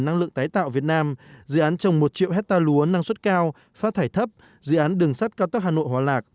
năng lượng tái tạo việt nam dự án trồng một triệu hectare lúa năng suất cao phát thải thấp dự án đường sắt cao tốc hà nội hòa lạc